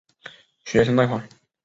学生贷款。